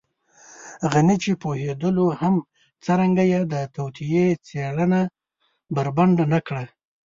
غني چې پوهېدلو هم څرنګه يې د توطیې څېره بربنډه نه کړه.